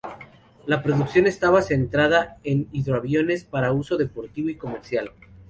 La producción estaba centrada en hidroaviones para uso deportivo y comercial.